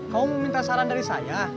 kamu minta saran dari saya